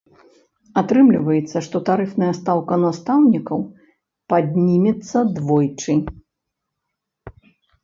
Атрымліваецца, што тарыфная стаўка настаўнікаў паднімецца двойчы.